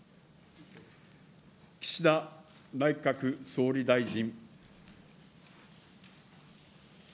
岸田内閣総理大臣。